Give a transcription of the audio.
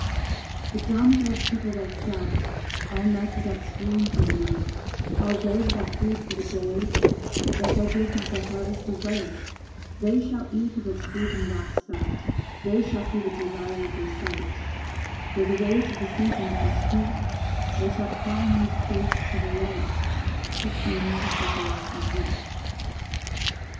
The dumb dread people that sat All night without screen for the night, All day without food for the day, They shall give not their harvest away, They shall eat of its fruit and wax fat: They shall see the desire of their sight, Though the ways of the seasons be steep, They shall climb with face to the light, Put in the sickles and reap.